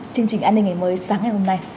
chương trình an ninh ngày mới sáng ngày hôm nay